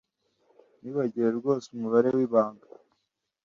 Nibagiwe rwose umubare wibanga.